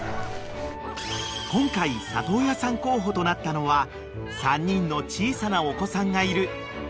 ［今回里親さん候補となったのは３人の小さなお子さんがいる田中さん一家］